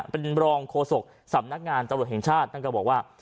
เป็นรองโฆษกสำนักงานตำรวจแห่งชาติท่านก็บอกว่า